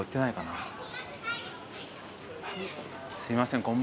すいません。